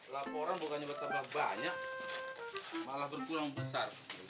laporan bukannya betapa banyak malah berkurang besar